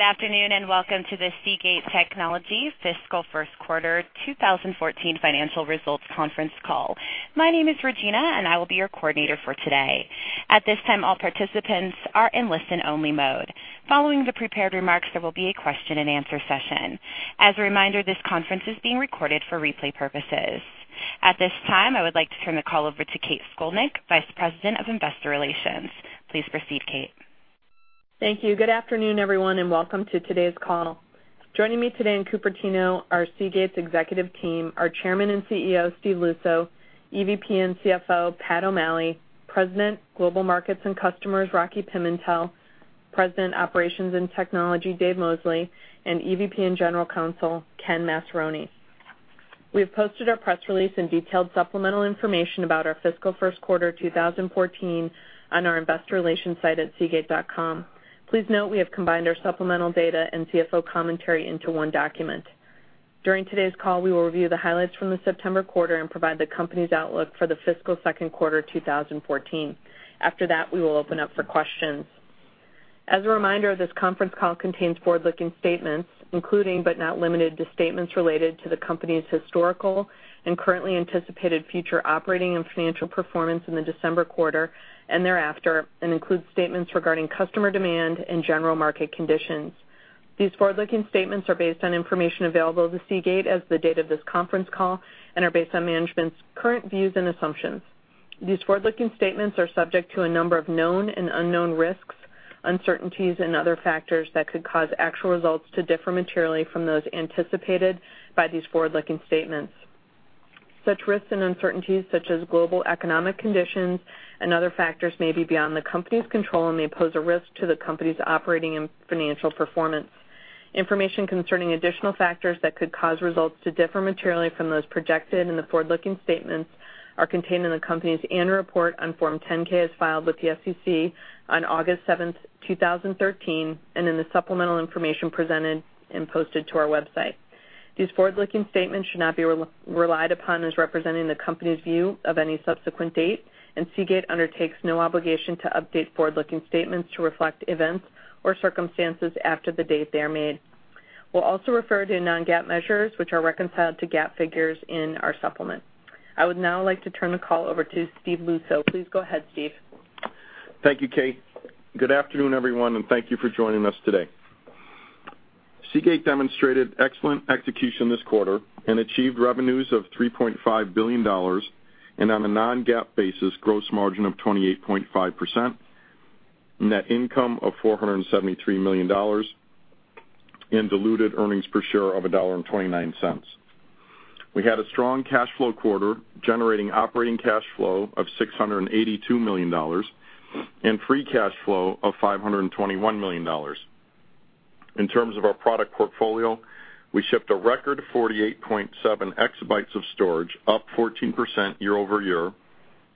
Good afternoon, welcome to the Seagate Technology fiscal first quarter 2014 financial results conference call. My name is Regina, and I will be your coordinator for today. At this time, all participants are in listen only mode. Following the prepared remarks, there will be a question and answer session. As a reminder, this conference is being recorded for replay purposes. At this time, I would like to turn the call over to Kathryn Scolnick, Vice President of Investor Relations. Please proceed, Kate. Thank you. Good afternoon, everyone, welcome to today's call. Joining me today in Cupertino are Seagate's executive team, our Chairman and CEO, Steve Luczo, EVP and CFO, Pat O'Malley, President, Global Markets and Customers, Rocky Pimentel, President, Operations and Technology, Dave Mosley, and EVP and General Counsel, Ken Masteroni. We have posted our press release and detailed supplemental information about our fiscal first quarter 2014 on our investor relations site at seagate.com. Please note we have combined our supplemental data and CFO commentary into one document. During today's call, we will review the highlights from the September quarter and provide the company's outlook for the fiscal second quarter 2014. After that, we will open up for questions. As a reminder, this conference call contains forward-looking statements, including, but not limited to, statements related to the company's historical and currently anticipated future operating and financial performance in the December quarter and thereafter, includes statements regarding customer demand and general market conditions. These forward-looking statements are based on information available to Seagate as the date of this conference call and are based on management's current views and assumptions. These forward-looking statements are subject to a number of known and unknown risks, uncertainties, and other factors that could cause actual results to differ materially from those anticipated by these forward-looking statements. Such risks and uncertainties, such as global economic conditions and other factors may be beyond the company's control and may pose a risk to the company's operating and financial performance. Information concerning additional factors that could cause results to differ materially from those projected in the forward-looking statements are contained in the company's annual report on Form 10-K, as filed with the SEC on August 7th, 2013, in the supplemental information presented and posted to our website. These forward-looking statements should not be relied upon as representing the company's view of any subsequent date, and Seagate undertakes no obligation to update forward-looking statements to reflect events or circumstances after the date they are made. We'll also refer to non-GAAP measures, which are reconciled to GAAP figures in our supplement. I would now like to turn the call over to Steve Luczo. Please go ahead, Steve. Thank you, Kate. Good afternoon, everyone, and thank you for joining us today. Seagate demonstrated excellent execution this quarter and achieved revenues of $3.5 billion and on a non-GAAP basis, gross margin of 28.5%, net income of $473 million, and diluted earnings per share of $1.29. We had a strong cash flow quarter, generating operating cash flow of $682 million and free cash flow of $521 million. In terms of our product portfolio, we shipped a record 48.7 exabytes of storage, up 14% year-over-year,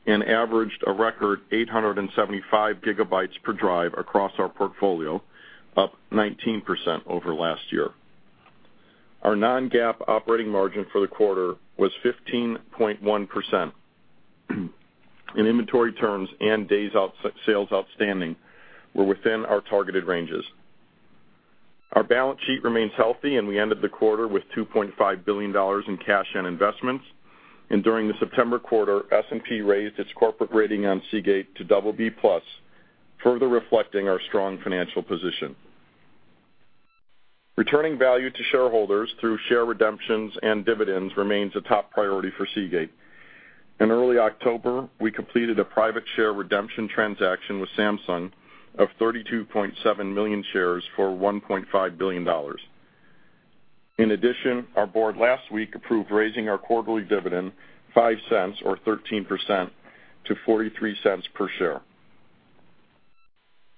and averaged a record 875 gigabytes per drive across our portfolio, up 19% over last year. Our non-GAAP operating margin for the quarter was 15.1%. In inventory terms and days sales outstanding were within our targeted ranges. Our balance sheet remains healthy. We ended the quarter with $2.5 billion in cash and investments. During the September quarter, S&P raised its corporate rating on Seagate to double B plus, further reflecting our strong financial position. Returning value to shareholders through share redemptions and dividends remains a top priority for Seagate. In early October, we completed a private share redemption transaction with Samsung of 32.7 million shares for $1.5 billion. In addition, our board last week approved raising our quarterly dividend $0.05 or 13% to $0.43 per share.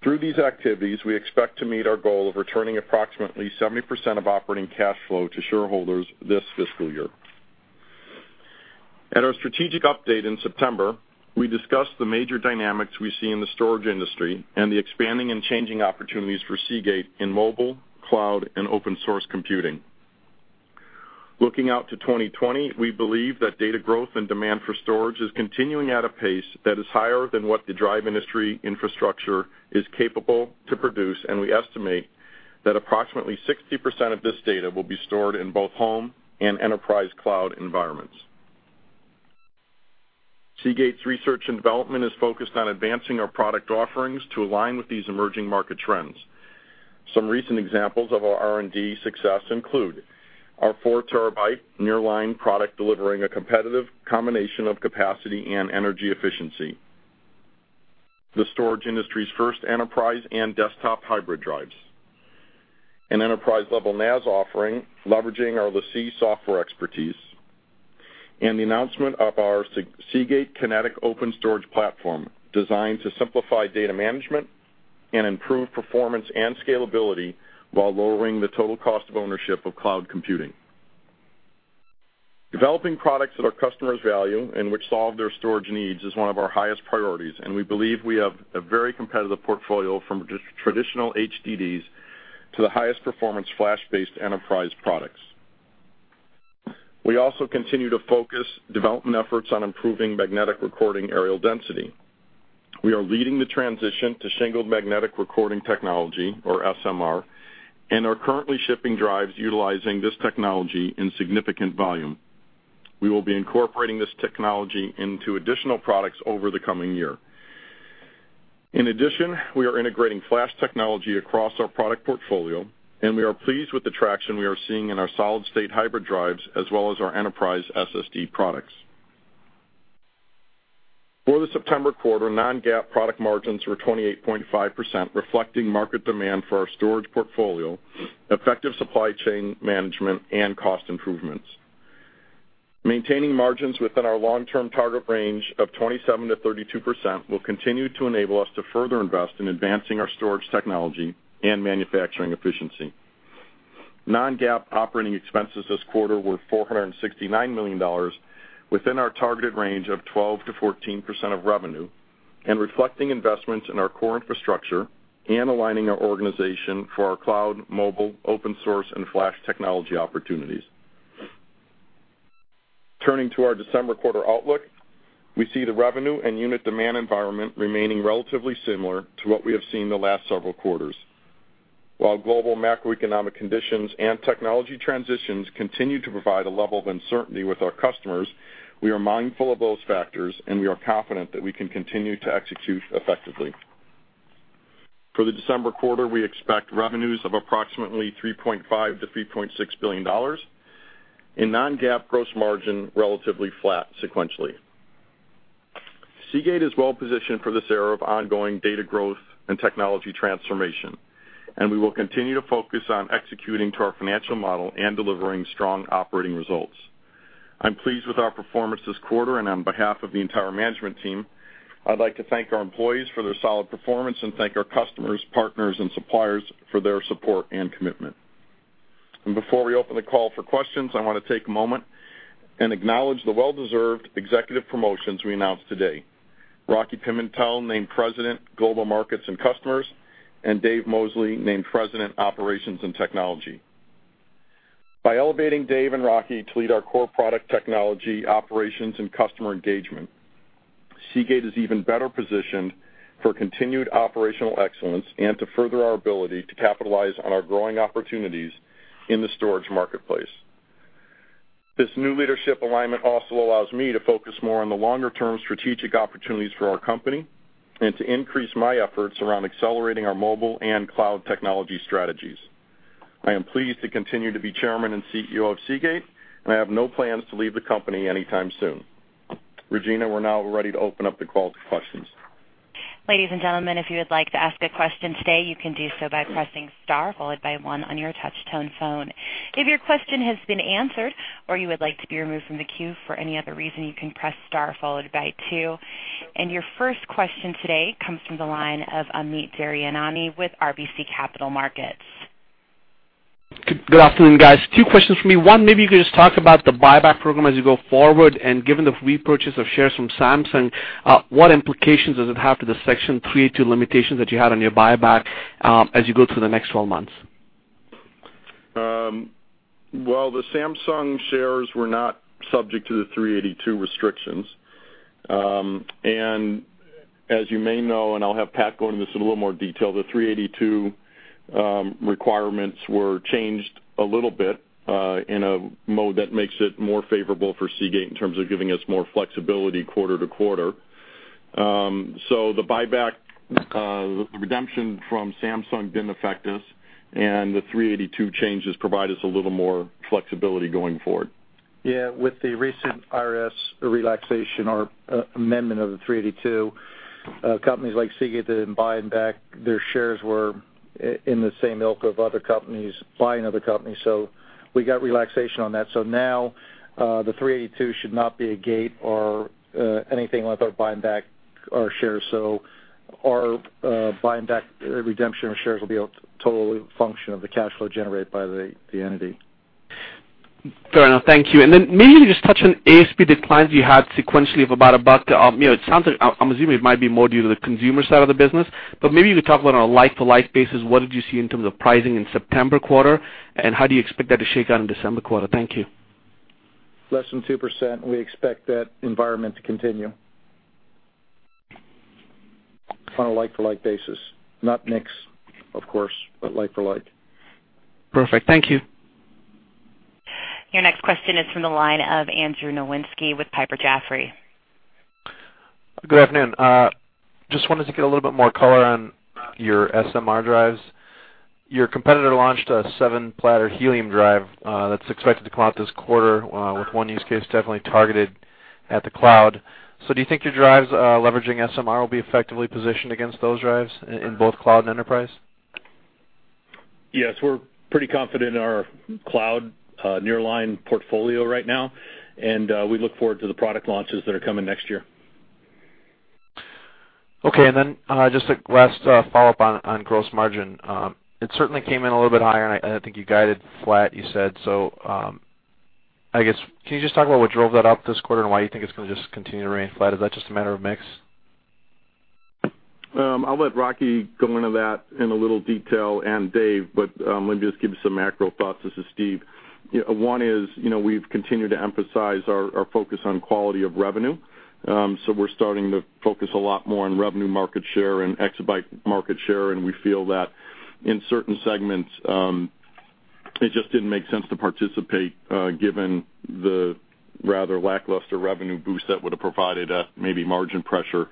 Through these activities, we expect to meet our goal of returning approximately 70% of operating cash flow to shareholders this fiscal year. At our strategic update in September, we discussed the major dynamics we see in the storage industry and the expanding and changing opportunities for Seagate in mobile, cloud, and open source computing. Looking out to 2020, we believe that data growth and demand for storage is continuing at a pace that is higher than what the drive industry infrastructure is capable to produce. We estimate that approximately 60% of this data will be stored in both home and enterprise cloud environments. Seagate's research and development is focused on advancing our product offerings to align with these emerging market trends. Some recent examples of our R&D success include our four terabyte nearline product delivering a competitive combination of capacity and energy efficiency. The storage industry's first enterprise and desktop hybrid drives. An enterprise-level NAS offering leveraging our LaCie software expertise. The announcement of our Seagate Kinetic Open Storage Platform, designed to simplify data management and improve performance and scalability while lowering the total cost of ownership of cloud computing. Developing products that our customers value and which solve their storage needs is one of our highest priorities. We believe we have a very competitive portfolio, from traditional HDDs to the highest performance flash-based enterprise products. We also continue to focus development efforts on improving magnetic recording areal density. We are leading the transition to shingled magnetic recording technology, or SMR, and are currently shipping drives utilizing this technology in significant volume. We will be incorporating this technology into additional products over the coming year. In addition, we are integrating flash technology across our product portfolio. We are pleased with the traction we are seeing in our solid-state hybrid drives as well as our enterprise SSD products. For the September quarter, non-GAAP product margins were 28.5%, reflecting market demand for our storage portfolio, effective supply chain management, and cost improvements. Maintaining margins within our long-term target range of 27%-32% will continue to enable us to further invest in advancing our storage technology and manufacturing efficiency. non-GAAP operating expenses this quarter were $469 million, within our targeted range of 12%-14% of revenue, and reflecting investments in our core infrastructure and aligning our organization for our cloud, mobile, open source, and flash technology opportunities. Turning to our December quarter outlook, we see the revenue and unit demand environment remaining relatively similar to what we have seen the last several quarters. While global macroeconomic conditions and technology transitions continue to provide a level of uncertainty with our customers, and we are mindful of those factors, and we are confident that we can continue to execute effectively. For the December quarter, we expect revenues of approximately $3.5 billion-$3.6 billion, and non-GAAP gross margin relatively flat sequentially. Seagate is well-positioned for this era of ongoing data growth and technology transformation, and we will continue to focus on executing to our financial model and delivering strong operating results. I'm pleased with our performance this quarter, and on behalf of the entire management team, I'd like to thank our employees for their solid performance and thank our customers, partners, and suppliers for their support and commitment. Before we open the call for questions, I want to take a moment and acknowledge the well-deserved executive promotions we announced today. Rocky Pimentel, named President, Global Markets and Customers, and Dave Mosley, named President, Operations and Technology. By elevating Dave and Rocky to lead our core product technology, operations, and customer engagement, Seagate is even better positioned for continued operational excellence and to further our ability to capitalize on our growing opportunities in the storage marketplace. This new leadership alignment also allows me to focus more on the longer-term strategic opportunities for our company and to increase my efforts around accelerating our mobile and cloud technology strategies. I am pleased to continue to be Chairman and CEO of Seagate, and I have no plans to leave the company anytime soon. Regina, we're now ready to open up the call to questions. Ladies and gentlemen, if you would like to ask a question today, you can do so by pressing star followed by one on your touch-tone phone. If your question has been answered, or you would like to be removed from the queue for any other reason, you can press star followed by two. Your first question today comes from the line of Amit Daryanani with RBC Capital Markets. Good afternoon, guys. Two questions from me. One, maybe you could just talk about the buyback program as you go forward. Given the repurchase of shares from Samsung, what implications does it have to the Section 382 limitations that you had on your buyback as you go through the next 12 months? Well, the Samsung shares were not subject to the 382 restrictions. As you may know, and I'll have Pat go into this in a little more detail, the 382 requirements were changed a little bit in a mode that makes it more favorable for Seagate in terms of giving us more flexibility quarter-to-quarter. The buyback redemption from Samsung didn't affect us, and the 382 changes provide us a little more flexibility going forward. Yeah. With the recent IRS relaxation or amendment of the 382, companies like Seagate that have been buying back their shares were in the same ilk of other companies buying other companies. We got relaxation on that. Now, the 382 should not be a gate or anything with our buying back our shares. Our buying back redemption of shares will be totally the function of the cash flow generated by the entity. Fair enough. Thank you. Then maybe just touch on ASP declines you had sequentially of about $1. I'm assuming it might be more due to the consumer side of the business, but maybe you could talk about on a like-to-like basis, what did you see in terms of pricing in September quarter, and how do you expect that to shake out in December quarter? Thank you. Less than 2%, we expect that environment to continue. On a like-to-like basis, not mix, of course, but like for like. Perfect. Thank you. Your next question is from the line of Andrew Nowinski with Piper Jaffray. Good afternoon. Just wanted to get a little bit more color on your SMR drives. Your competitor launched a seven-platter helium drive that is expected to come out this quarter with one use case definitely targeted at the cloud. Do you think your drives leveraging SMR will be effectively positioned against those drives in both cloud and enterprise? Yes, we're pretty confident in our cloud nearline portfolio right now, and we look forward to the product launches that are coming next year. Okay, just a last follow-up on gross margin. It certainly came in a little bit higher, and I think you guided flat, you said. I guess, can you just talk about what drove that up this quarter, and why you think it's going to just continue to remain flat? Is that just a matter of mix? I'll let Rocky go into that in a little detail, and Dave, let me just give you some macro thoughts. This is Steve. One is, we've continued to emphasize our focus on quality of revenue. We're starting to focus a lot more on revenue market share and exabyte market share, and we feel that in certain segments, it just didn't make sense to participate, given the rather lackluster revenue boost that would have provided maybe margin pressure.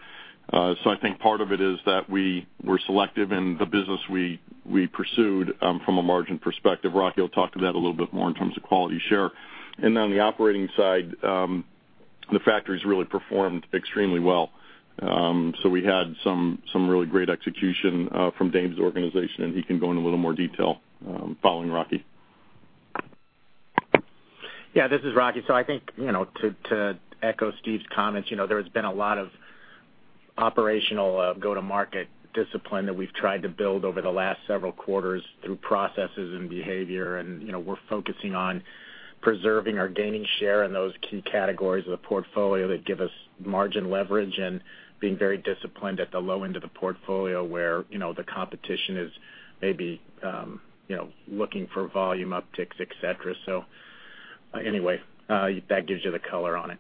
I think part of it is that we were selective in the business we pursued from a margin perspective. Rocky will talk to that a little bit more in terms of quality share. On the operating side, the factories really performed extremely well. We had some really great execution from Dave's organization, and he can go into a little more detail following Rocky. Yeah, this is Rocky. I think, to echo Steve's comments, there has been a lot of operational go-to-market discipline that we've tried to build over the last several quarters through processes and behavior. We're focusing on preserving or gaining share in those key categories of the portfolio that give us margin leverage and being very disciplined at the low end of the portfolio where the competition is maybe looking for volume upticks, et cetera. Anyway, that gives you the color on it.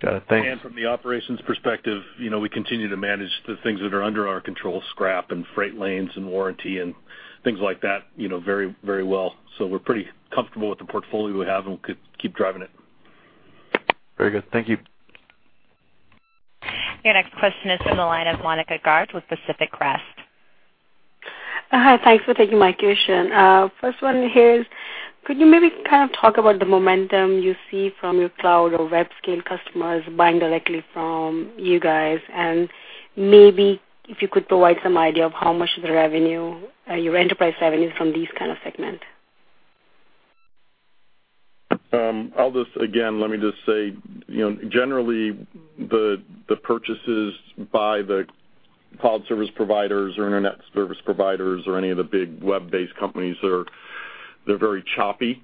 Got it. Thanks. From the operations perspective, we continue to manage the things that are under our control, scrap and freight lanes and warranty and things like that, very well. We're pretty comfortable with the portfolio we have, and we could keep driving it. Very good. Thank you. Your next question is from the line of Monika Garg with Pacific Crest Securities. Hi, thanks for taking my question. First one here is, could you maybe kind of talk about the momentum you see from your cloud or web-scale customers buying directly from you guys? Maybe if you could provide some idea of how much of the revenue, your enterprise revenue is from these kind of segment. I'll just, again, let me just say, generally, the purchases by the cloud service providers or Internet service providers or any of the big web-based companies, they're very choppy.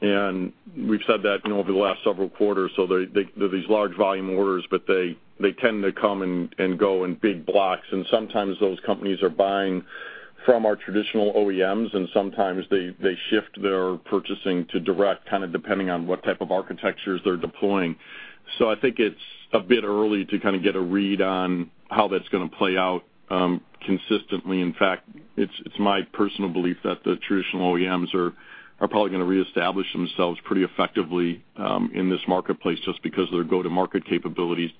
We've said that over the last several quarters. They're these large volume orders, but they tend to come and go in big blocks, and sometimes those companies are buying from our traditional OEMs, and sometimes they shift their purchasing to direct, kind of depending on what type of architectures they're deploying. I think it's a bit early to kind of get a read on how that's going to play out consistently. In fact, it's my personal belief that the traditional OEMs are probably going to reestablish themselves pretty effectively in this marketplace just because of their go-to-market capabilities.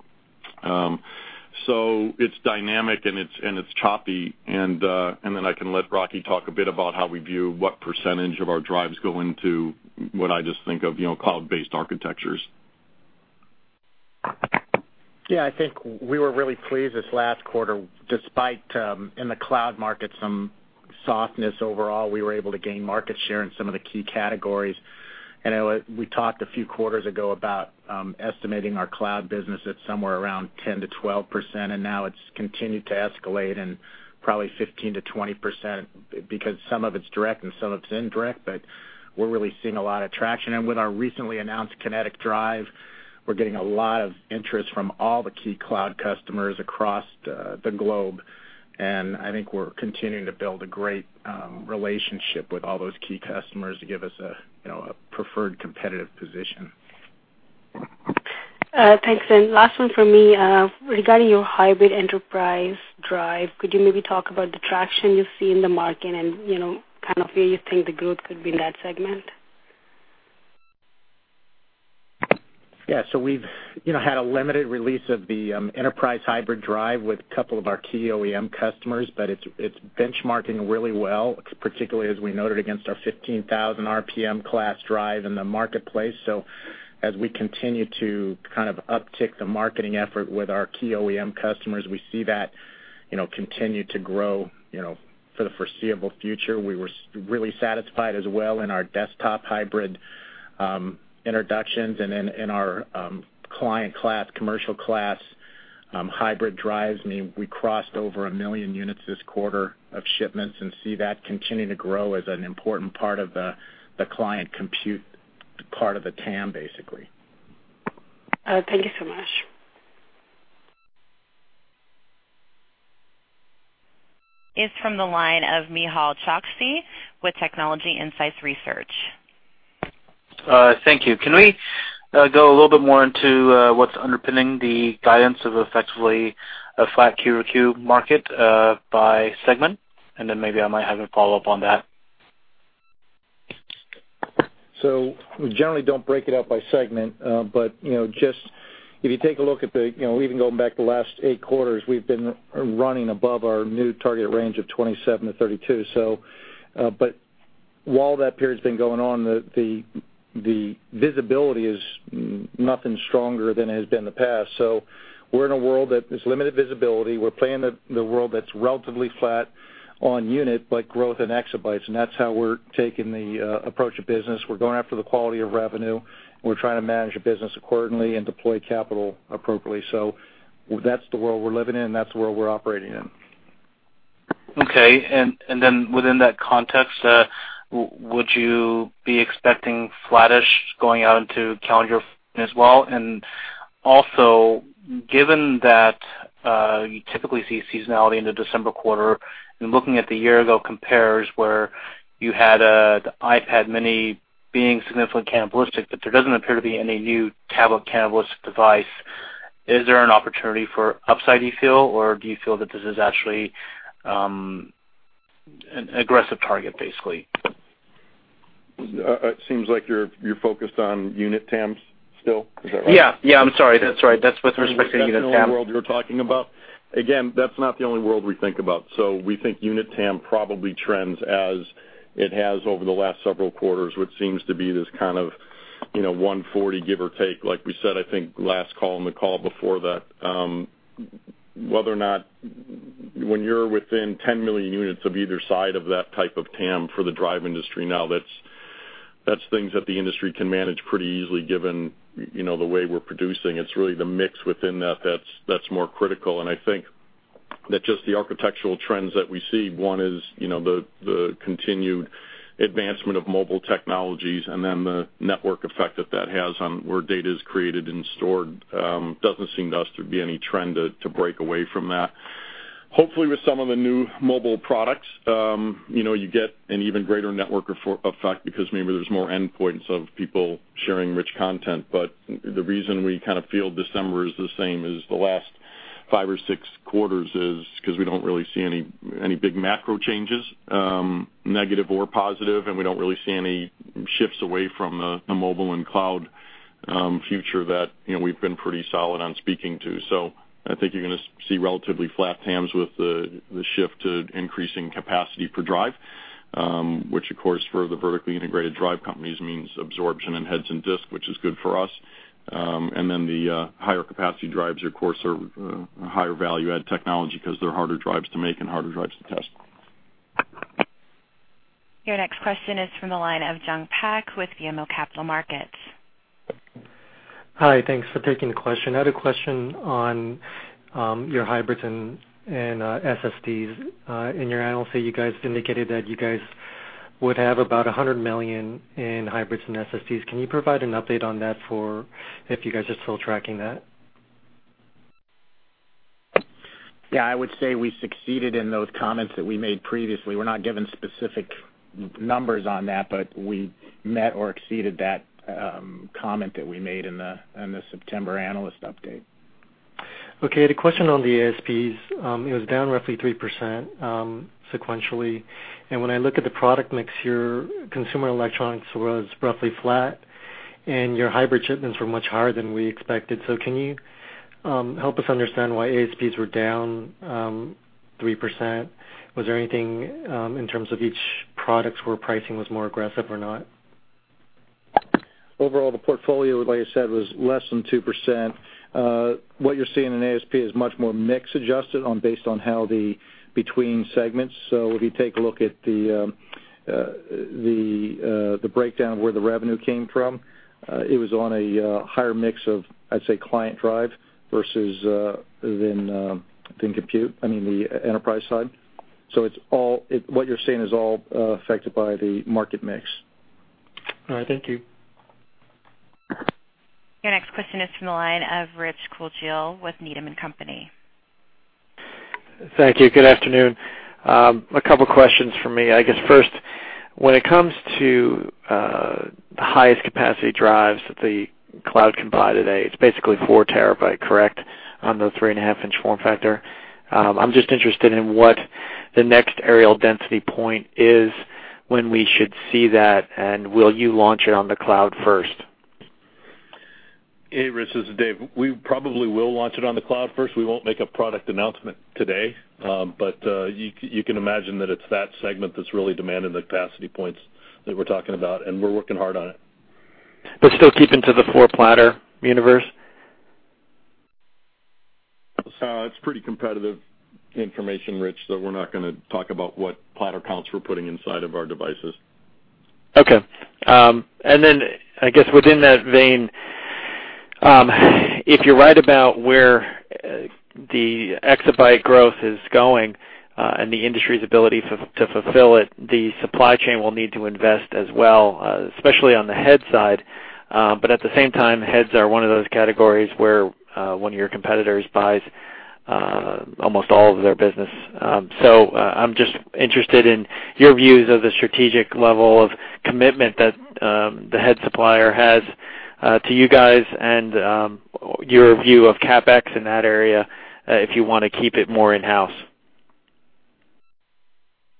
It's dynamic, and it's choppy, and then I can let Rocky talk a bit about how we view what percentage of our drives go into what I just think of cloud-based architectures. Yeah, I think we were really pleased this last quarter, despite in the cloud market, some softness overall. We were able to gain market share in some of the key categories. I know we talked a few quarters ago about estimating our cloud business at somewhere around 10%-12%, and now it's continued to escalate and probably 15%-20%, because some of it's direct and some of it's indirect, but we're really seeing a lot of traction. With our recently announced Kinetic HDD, we're getting a lot of interest from all the key cloud customers across the globe. I think we're continuing to build a great relationship with all those key customers to give us a preferred competitive position. Thanks. Last one from me. Regarding your hybrid enterprise drive, could you maybe talk about the traction you see in the market and kind of where you think the growth could be in that segment? Yeah. We've had a limited release of the enterprise hybrid drive with a couple of our key OEM customers, but it's benchmarking really well, particularly as we noted against our 15,000 RPM class drive in the marketplace. As we continue to kind of uptick the marketing effort with our key OEM customers, we see that continue to grow for the foreseeable future. We were really satisfied as well in our desktop hybrid introductions and in our client class, commercial class hybrid drives. I mean, we crossed over 1 million units this quarter of shipments and see that continuing to grow as an important part of the client compute part of the TAM, basically. Thank you so much. Is from the line of Nehal Choksi with TechInsights. Thank you. Can we go a little bit more into what's underpinning the guidance of effectively a flat Q-over-Q market by segment? Maybe I might have a follow-up on that. We generally don't break it out by segment. If you take a look at the even going back the last 8 quarters, we've been running above our new target range of 27-32. While that period's been going on, the visibility is nothing stronger than it has been in the past. We're in a world that has limited visibility. We're playing in a world that's relatively flat on unit, but growth in exabytes, that's how we're taking the approach of business. We're going after the quality of revenue. We're trying to manage the business accordingly and deploy capital appropriately. That's the world we're living in, and that's the world we're operating in. Okay. Within that context, would you be expecting flattish going out into calendar as well? Also, given that you typically see seasonality in the December quarter, looking at the year-ago compares where you had the iPad mini being significantly cannibalistic, there doesn't appear to be any new tablet cannibalistic device. Is there an opportunity for upside, do you feel, or do you feel that this is actually an aggressive target, basically? It seems like you're focused on unit TAMs still. Is that right? Yeah. I'm sorry. That's right. That's with respect to unit TAM. That's the only world you're talking about. Again, that's not the only world we think about. We think unit TAM probably trends as it has over the last several quarters, which seems to be this kind of 140, give or take. Like we said, I think last call and the call before that, whether or not when you're within 10 million units of either side of that type of TAM for the drive industry now, that's things that the industry can manage pretty easily given the way we're producing. It's really the mix within that that's more critical. I think that just the architectural trends that we see, one is the continued advancement of mobile technologies and then the network effect that has on where data is created and stored, doesn't seem to us to be any trend to break away from that. Hopefully, with some of the new mobile products, you get an even greater network effect because maybe there's more endpoints of people sharing rich content. The reason we kind of feel December is the same as the last five or six quarters is because we don't really see any big macro changes, negative or positive, and we don't really see any shifts away from the mobile and cloud future that we've been pretty solid on speaking to. I think you're going to see relatively flat TAMs with the shift to increasing capacity per drive, which of course, for the vertically integrated drive companies means absorption and heads and disk, which is good for us. Then the higher capacity drives, of course, are higher value-added technology because they're harder drives to make and harder drives to test. Your next question is from the line of Jung Pak with BMO Capital Markets. Hi. Thanks for taking the question. I had a question on your hybrids and SSDs. In your analysis, you guys indicated that you guys would have about $100 million in hybrids and SSDs. Can you provide an update on that for if you guys are still tracking that? I would say we succeeded in those comments that we made previously. We're not giving specific numbers on that, but we met or exceeded that comment that we made in the September analyst update. The question on the ASPs, it was down roughly 3% sequentially. When I look at the product mix, your consumer electronics was roughly flat and your hybrid shipments were much higher than we expected. Can you help us understand why ASPs were down 3%? Was there anything in terms of each product where pricing was more aggressive or not? Overall, the portfolio, like I said, was less than 2%. What you're seeing in ASP is much more mix-adjusted based on how between segments. If you take a look at the breakdown of where the revenue came from, it was on a higher mix of, I'd say, client drive versus within compute, I mean, the enterprise side. What you're seeing is all affected by the market mix. All right. Thank you. Your next question is from the line of Rich Kugele with Needham & Company. Thank you. Good afternoon. A couple questions from me. I guess first, when it comes to the highest capacity drives that the cloud can buy today, it's basically four terabyte, correct? On the three-and-a-half-inch form factor. I'm just interested in what the next areal density point is, when we should see that, and will you launch it on the cloud first? Hey, Rich, this is Dave. We probably will launch it on the cloud first. We won't make a product announcement today. You can imagine that it's that segment that's really demanding the capacity points that we're talking about, and we're working hard on it. still keeping to the four-platter universe? It's pretty competitive information, Rich, so we're not going to talk about what platter counts we're putting inside of our devices. Okay. I guess within that vein, if you're right about where the exabyte growth is going and the industry's ability to fulfill it, the supply chain will need to invest as well, especially on the head side. At the same time, heads are one of those categories where one of your competitors buys almost all of their business. I'm just interested in your views of the strategic level of commitment that the head supplier has to you guys and your view of CapEx in that area, if you want to keep it more in-house.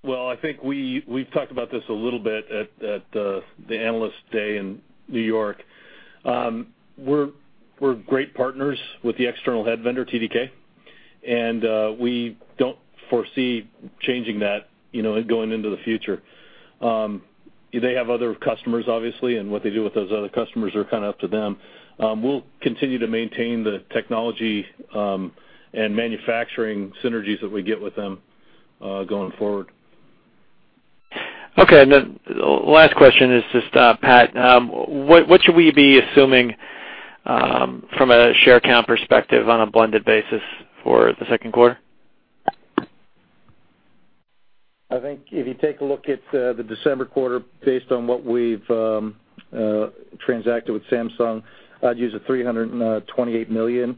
I think we've talked about this a little bit at the Analyst Day in New York. We're great partners with the external head vendor, TDK, we don't foresee changing that going into the future. They have other customers, obviously, what they do with those other customers are up to them. We'll continue to maintain the technology and manufacturing synergies that we get with them going forward. Okay. Last question is just, Pat, what should we be assuming from a share count perspective on a blended basis for the second quarter? I think if you take a look at the December quarter, based on what we've transacted with Samsung, I'd use a 328 million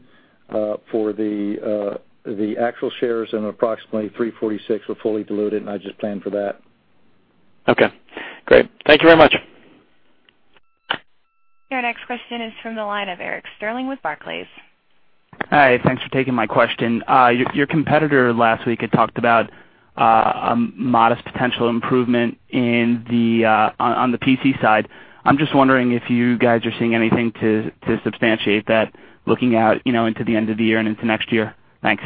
for the actual shares, and approximately 346 for fully diluted, and I'd just plan for that. Okay, great. Thank you very much. Your next question is from the line of C.J. Muse with Barclays. Hi. Thanks for taking my question. Your competitor last week had talked about a modest potential improvement on the PC side. I'm just wondering if you guys are seeing anything to substantiate that looking out into the end of the year and into next year. Thanks.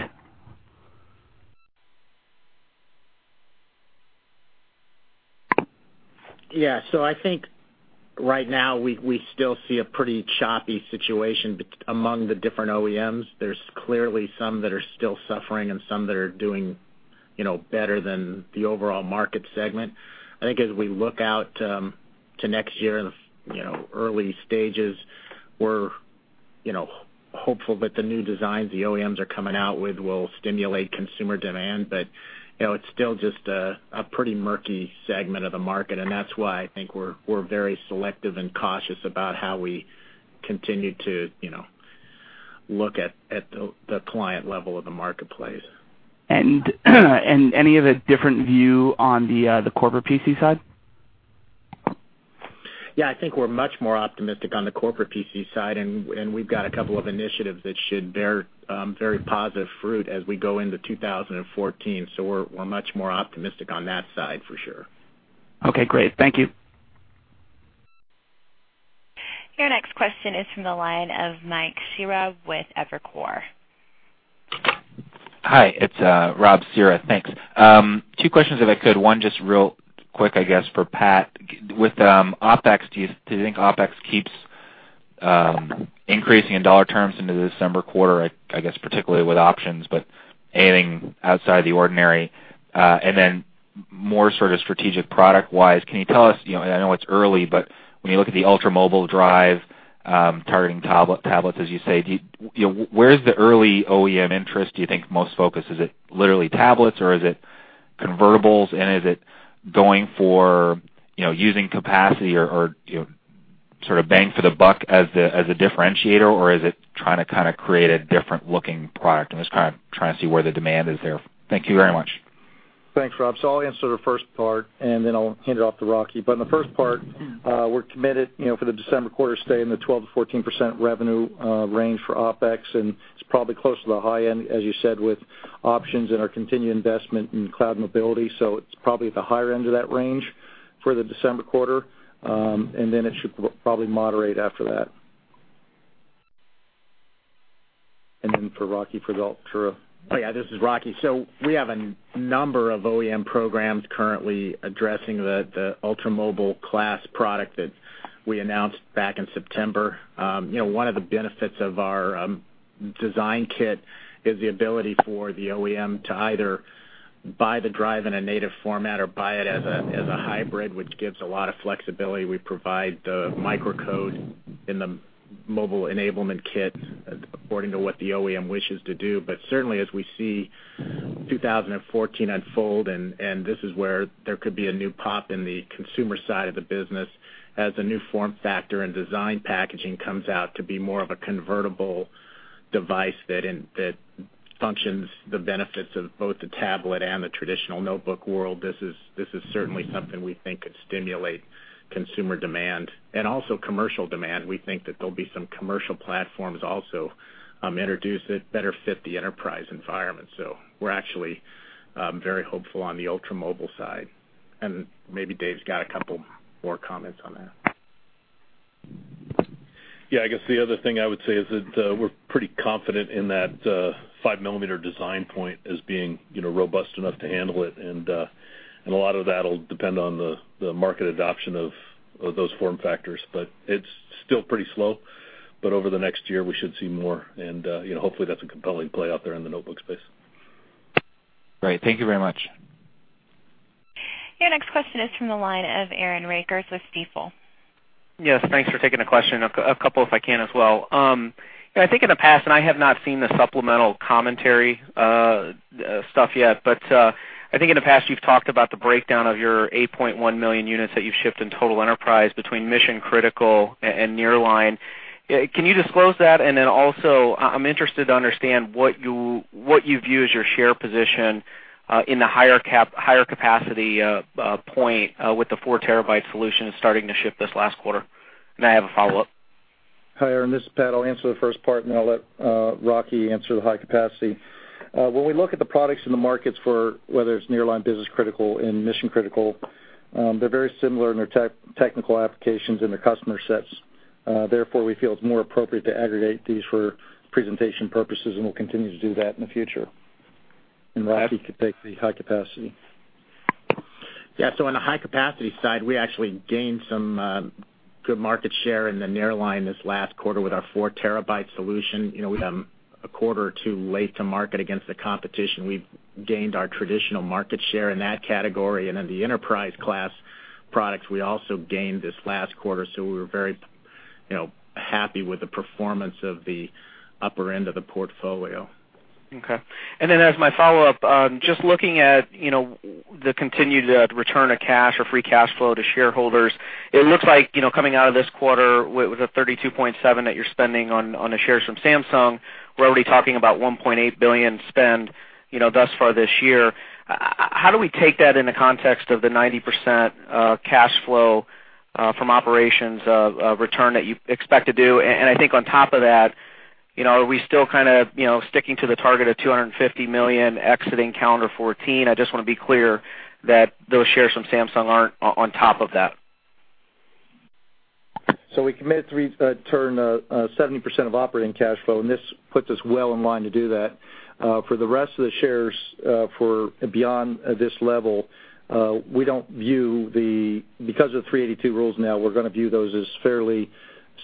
Yeah. I think right now, we still see a pretty choppy situation among the different OEMs. There's clearly some that are still suffering and some that are doing better than the overall market segment. I think as we look out to next year, in the early stages, we're hopeful that the new designs the OEMs are coming out with will stimulate consumer demand. It's still just a pretty murky segment of the market, and that's why I think we're very selective and cautious about how we continue to look at the client level of the marketplace. Any of a different view on the corporate PC side? Yeah, I think we're much more optimistic on the corporate PC side. We've got a couple of initiatives that should bear very positive fruit as we go into 2014. We're much more optimistic on that side for sure. Okay, great. Thank you. Your next question is from the line of Rob Cihra with Evercore. Hi, it's Rob Cihra. Thanks. Two questions if I could. One just real quick, I guess, for Pat. With OpEx, do you think OpEx keeps increasing in dollar terms into the December quarter, I guess particularly with options, but anything outside the ordinary? Then more sort of strategic product-wise, can you tell us, I know it's early, but when you look at the ultra-mobile drive, targeting tablets, as you say, where is the early OEM interest do you think most focused? Is it literally tablets, or is it convertibles? And is it going for using capacity or sort of bang for the buck as a differentiator, or is it trying to create a different-looking product? I'm just trying to see where the demand is there. Thank you very much. Thanks, Rob. I'll answer the first part, then I'll hand it off to Rocky. In the first part, we're committed, for the December quarter, stay in the 12%-14% revenue range for OpEx, and it's probably close to the high end, as you said, with options and our continued investment in cloud mobility. It's probably at the higher end of that range for the December quarter, then it should probably moderate after that. Then for Rocky for the ultra. This is Rocky. We have a number of OEM programs currently addressing the ultra-mobile class product that we announced back in September. One of the benefits of our design kit is the ability for the OEM to either buy the drive in a native format or buy it as a hybrid, which gives a lot of flexibility. We provide the microcode in the mobile enablement kit according to what the OEM wishes to do. Certainly, as we see 2014 unfold, this is where there could be a new pop in the consumer side of the business, as the new form factor and design packaging comes out to be more of a convertible device that functions the benefits of both the tablet and the traditional notebook world, this is certainly something we think could stimulate consumer demand. Also commercial demand, we think that there'll be some commercial platforms also introduced that better fit the enterprise environment. We're actually very hopeful on the ultra-mobile side. Maybe Dave's got a couple more comments on that. I guess the other thing I would say is that we're pretty confident in that five-millimeter design point as being robust enough to handle it, and a lot of that'll depend on the market adoption of those form factors. It's still pretty slow, but over the next year, we should see more, and hopefully, that's a compelling play out there in the notebook space. Great. Thank you very much. Your next question is from the line of Aaron Rakers with Stifel. Yes, thanks for taking the question. A couple if I can as well. I think in the past, and I have not seen the supplemental commentary stuff yet, but I think in the past, you've talked about the breakdown of your 8.1 million units that you've shipped in total enterprise between mission-critical and nearline. Can you disclose that? Also, I'm interested to understand what you view as your share position in the higher capacity point with the 4-terabyte solution starting to ship this last quarter. I have a follow-up. Hi, Aaron. This is Pat. I'll answer the first part, I'll let Rocky answer the high capacity. When we look at the products in the markets for whether it's nearline, business-critical, and mission-critical, they're very similar in their technical applications and their customer sets. Therefore, we feel it's more appropriate to aggregate these for presentation purposes. We'll continue to do that in the future. Rocky could take the high capacity. Yeah. On the high-capacity side, we actually gained some good market share in the nearline this last quarter with our 4-terabyte solution. We have a quarter or two late to market against the competition. We've gained our traditional market share in that category. In the enterprise class products, we also gained this last quarter. We were very happy with the performance of the upper end of the portfolio. Okay. As my follow-up, just looking at the continued return of cash or free cash flow to shareholders, it looks like, coming out of this quarter with the $32.7 that you're spending on the shares from Samsung, we're already talking about $1.8 billion spend thus far this year. How do we take that in the context of the 90% cash flow from operations of return that you expect to do? I think on top of that, are we still kind of sticking to the target of $250 million exiting calendar 2014? I just want to be clear that those shares from Samsung aren't on top of that. We committed to return 70% of operating cash flow, this puts us well in line to do that. For the rest of the shares beyond this level, because of 382 rules now, we're going to view those as fairly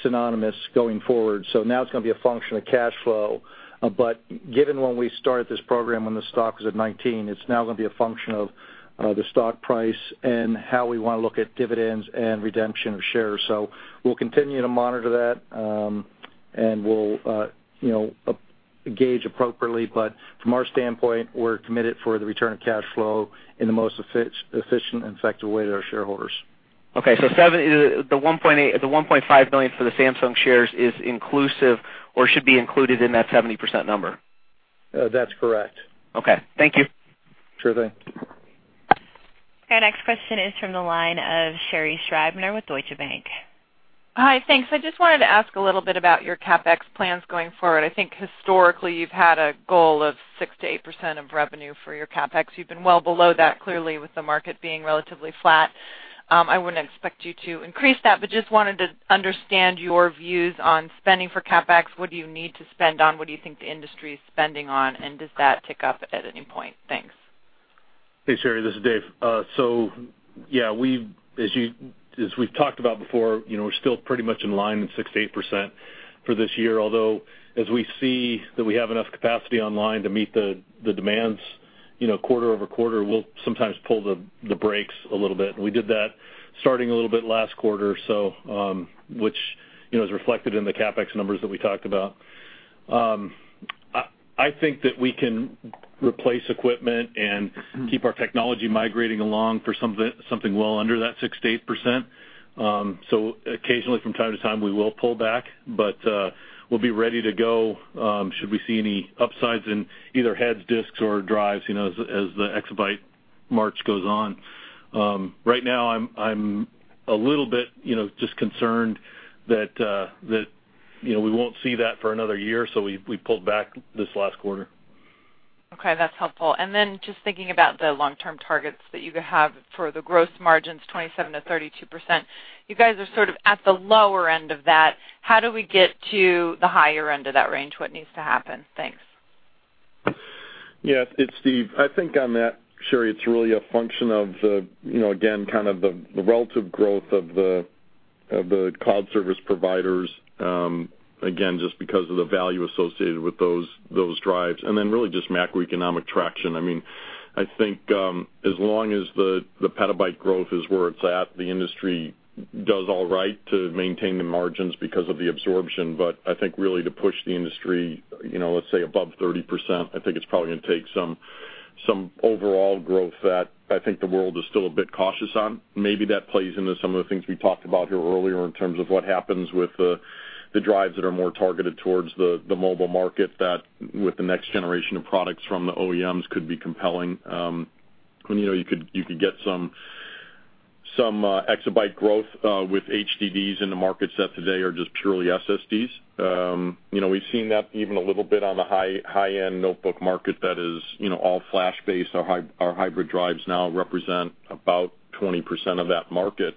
synonymous going forward. Now it's going to be a function of cash flow. Given when we started this program, when the stock was at $19, it's now going to be a function of the stock price and how we want to look at dividends and redemption of shares. We'll continue to monitor that, we'll engage appropriately. From our standpoint, we're committed for the return of cash flow in the most efficient and effective way to our shareholders. Okay, the $1.5 billion for the Samsung shares is inclusive or should be included in that 70% number? That's correct. Okay. Thank you. Sure thing. Our next question is from the line of Sherri Scribner with Deutsche Bank. Hi, thanks. I just wanted to ask a little bit about your CapEx plans going forward. I think historically, you've had a goal of 6%-8% of revenue for your CapEx. You've been well below that clearly with the market being relatively flat. I wouldn't expect you to increase that, but just wanted to understand your views on spending for CapEx. What do you need to spend on? What do you think the industry is spending on? Does that tick up at any point? Thanks. Yeah, as we've talked about before, we're still pretty much in line with 6%-8% for this year, although as we see that we have enough capacity online to meet the demands quarter-over-quarter, we'll sometimes pull the brakes a little bit. We did that starting a little bit last quarter, which is reflected in the CapEx numbers that we talked about. I think that we can replace equipment and keep our technology migrating along for something well under that 6%-8%. Occasionally from time to time, we will pull back, but we'll be ready to go should we see any upsides in either heads, disks, or drives as the exabyte march goes on. Right now I'm a little bit just concerned that we won't see that for another year. We pulled back this last quarter. Okay, that's helpful. Just thinking about the long-term targets that you have for the gross margins, 27%-32%. You guys are sort of at the lower end of that. How do we get to the higher end of that range? What needs to happen? Thanks. Yeah, it's Dave. I think on that, Sherri, it's really a function of the, again, kind of the relative growth of the cloud service providers, again, just because of the value associated with those drives, really just macroeconomic traction. I think as long as the petabyte growth is where it's at, the industry does all right to maintain the margins because of the absorption. I think really to push the industry, let's say above 30%, I think it's probably going to take some overall growth that I think the world is still a bit cautious on. Maybe that plays into some of the things we talked about here earlier in terms of what happens with the drives that are more targeted towards the mobile market, that with the next generation of products from the OEMs could be compelling. You could get some exabyte growth with HDDs in the markets that today are just purely SSDs. We've seen that even a little bit on the high-end notebook market that is all Flash-based. Our hybrid drives now represent about 20% of that market,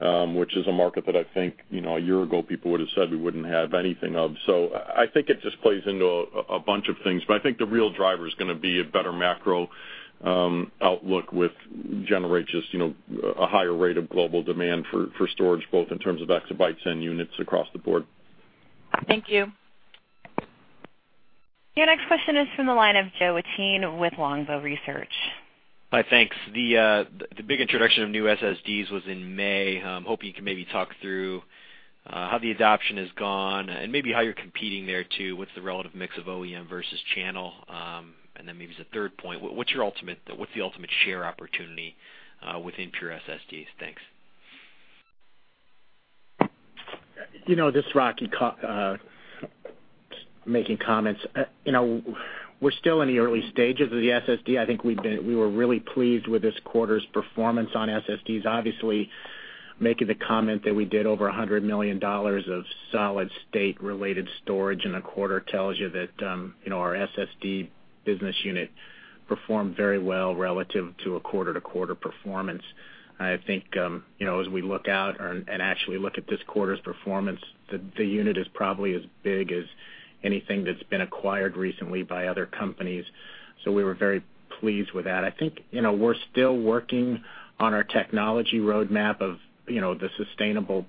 which is a market that I think a year ago people would have said we wouldn't have anything of. I think it just plays into a bunch of things, but I think the real driver is going to be a better macro outlook with generate just a higher rate of global demand for storage, both in terms of exabytes and units across the board. Thank you. Your next question is from the line of Joe Wittine, Longbow Research. Hi, thanks. The big introduction of new SSDs was in May. I'm hoping you can maybe talk through how the adoption has gone and maybe how you're competing there, too. What's the relative mix of OEM versus channel? Then maybe as a third point, what's the ultimate share opportunity within Pure SSDs? Thanks. This is Rocky making comments. We're still in the early stages of the SSD. I think we were really pleased with this quarter's performance on SSDs. Obviously, making the comment that we did over $100 million of solid state related storage in a quarter tells you that our SSD business unit performed very well relative to a quarter-to-quarter performance. I think as we look out and actually look at this quarter's performance, the unit is probably as big as anything that's been acquired recently by other companies. We were very pleased with that. I think we're still working on our technology roadmap of the sustainable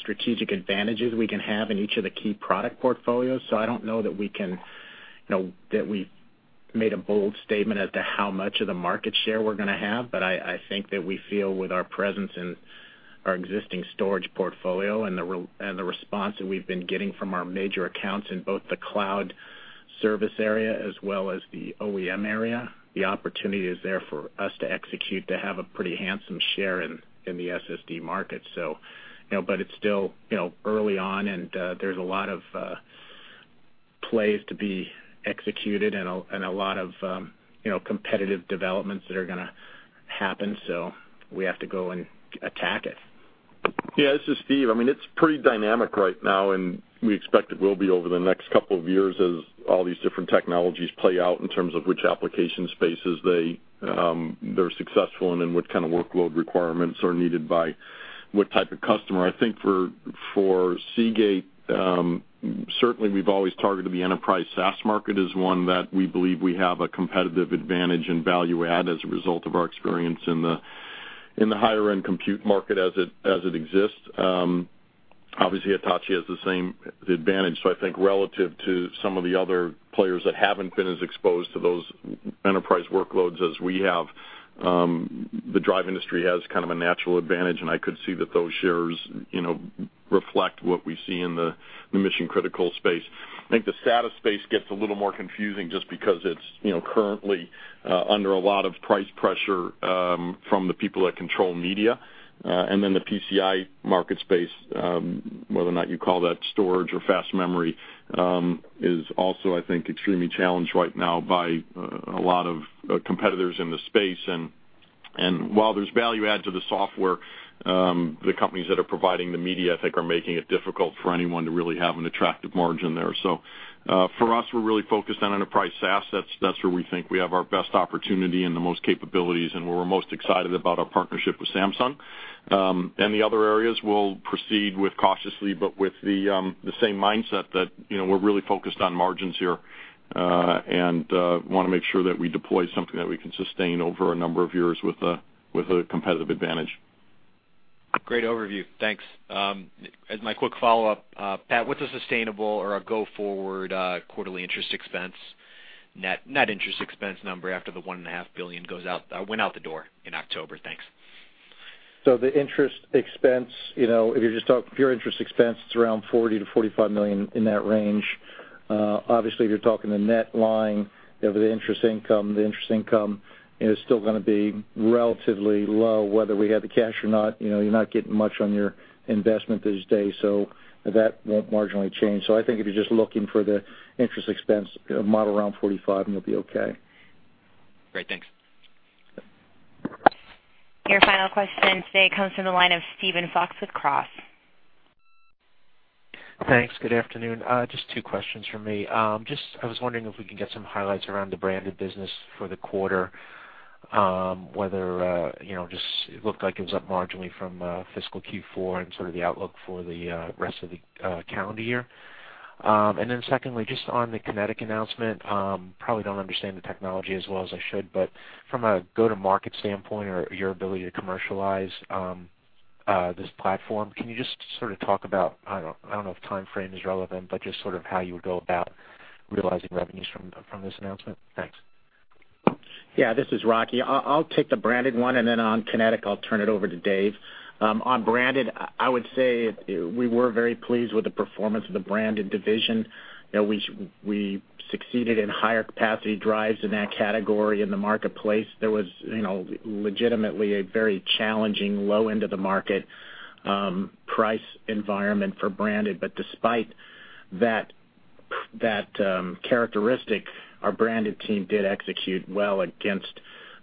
strategic advantages we can have in each of the key product portfolios. I don't know that we made a bold statement as to how much of the market share we're going to have, but I think that we feel with our presence and our existing storage portfolio and the response that we've been getting from our major accounts in both the cloud service area as well as the OEM area, the opportunity is there for us to execute to have a pretty handsome share in the SSD market. It's still early on, and there's a lot of plays to be executed and a lot of competitive developments that are going to happen. We have to go and attack it. Yeah, this is Steve. It's pretty dynamic right now, and we expect it will be over the next couple of years as all these different technologies play out in terms of which application spaces they're successful in and what kind of workload requirements are needed by what type of customer. I think for Seagate, certainly, we've always targeted the enterprise SAS market as one that we believe we have a competitive advantage and value add as a result of our experience in the higher-end compute market as it exists. Obviously, Hitachi has the same advantage. I think relative to some of the other players that haven't been as exposed to those enterprise workloads as we have, the drive industry has a natural advantage, and I could see that those shares reflect what we see in the mission-critical space. I think the SATA space gets a little more confusing just because it's currently under a lot of price pressure from the people that control media. The PCIe market space, whether or not you call that storage or fast memory, is also, I think, extremely challenged right now by a lot of competitors in the space. While there's value add to the software, the companies that are providing the media, I think, are making it difficult for anyone to really have an attractive margin there. For us, we're really focused on enterprise assets. That's where we think we have our best opportunity and the most capabilities, and where we're most excited about our partnership with Samsung. The other areas we'll proceed with cautiously, but with the same mindset that we're really focused on margins here, and want to make sure that we deploy something that we can sustain over a number of years with a competitive advantage. Great overview. Thanks. As my quick follow-up, Pat, what's a sustainable or a go-forward quarterly interest expense, net interest expense number after the $1.5 billion went out the door in October? Thanks. The interest expense, if you're just talking pure interest expense, it's around $40 million-$45 million in that range. Obviously, if you're talking the net line of the interest income, the interest income is still going to be relatively low, whether we have the cash or not. You're not getting much on your investment these days, so that won't marginally change. I think if you're just looking for the interest expense model around $45 million, and you'll be okay. Great. Thanks. Your final question today comes from the line of Steven Fox with Cross. Thanks. Good afternoon. Just two questions from me. I was wondering if we could get some highlights around the branded business for the quarter, whether it looked like it was up marginally from fiscal Q4 and sort of the outlook for the rest of the calendar year. Secondly, just on the Kinetic announcement, probably do not understand the technology as well as I should, but from a go-to-market standpoint or your ability to commercialize this platform, can you just sort of talk about, I do not know if timeframe is relevant, but just sort of how you would go about realizing revenues from this announcement? Thanks. Yeah, this is Rocky. I will take the branded one, and then on Kinetic, I will turn it over to Dave. On branded, I would say we were very pleased with the performance of the branded division. We succeeded in higher capacity drives in that category in the marketplace. There was legitimately a very challenging low end of the market price environment for branded. Despite that characteristic, our branded team did execute well against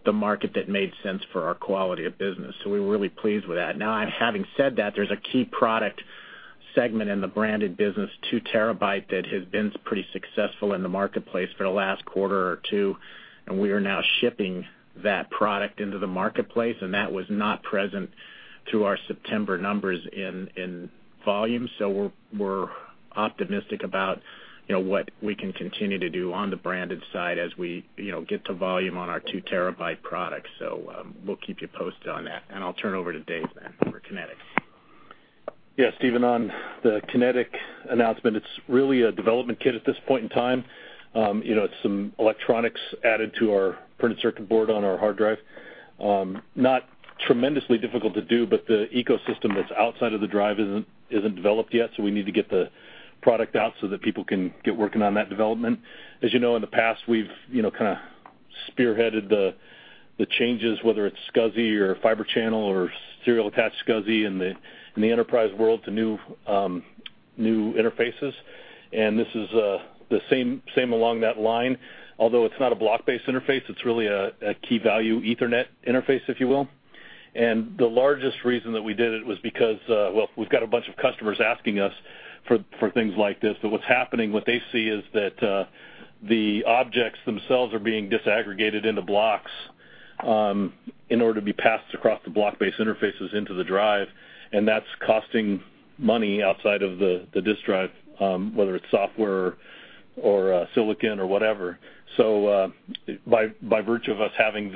the market that made sense for our quality of business. We were really pleased with that. Now, having said that, there is a key product segment in the branded business, two terabyte, that has been pretty successful in the marketplace for the last quarter or two, and we are now shipping that product into the marketplace, and that was not present through our September numbers in volume. We are optimistic about what we can continue to do on the branded side as we get to volume on our two-terabyte products. We will keep you posted on that, and I will turn over to Dave then for Kinetic. Yeah, Steven, on the Kinetic announcement, it is really a development kit at this point in time. It is some electronics added to our printed circuit board on our hard drive. Not tremendously difficult to do, but the ecosystem that is outside of the drive is not developed yet, so we need to get the product out so that people can get working on that development. As you know, in the past, we have kind of spearheaded the changes, whether it is SCSI or Fibre Channel or Serial Attached SCSI in the enterprise world to new interfaces. This is the same along that line, although it is not a block-based interface, it is really a key value Ethernet interface, if you will. The largest reason that we did it was because, well, we have got a bunch of customers asking us for things like this. What's happening, what they see is that the objects themselves are being disaggregated into blocks in order to be passed across the block-based interfaces into the drive, and that's costing money outside of the disk drive, whether it's software or silicon or whatever. By virtue of us having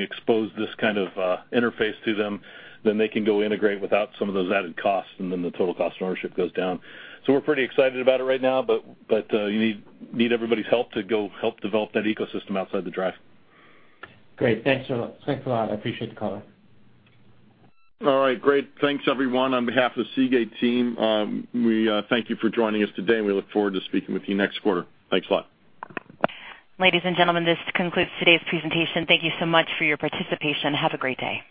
exposed this kind of interface to them, they can go integrate without some of those added costs, and then the total cost of ownership goes down. We're pretty excited about it right now, you need everybody's help to go help develop that ecosystem outside the drive. Great. Thanks a lot. I appreciate the call. All right. Great. Thanks, everyone. On behalf of the Seagate team, we thank you for joining us today, and we look forward to speaking with you next quarter. Thanks a lot. Ladies and gentlemen, this concludes today's presentation. Thank you so much for your participation. Have a great day.